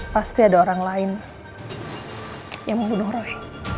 pasti ada orang lain yang membunuh roh